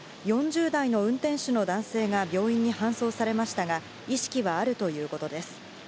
４０代の運転手の男性が病院に搬送されましたが、意識はあるということです。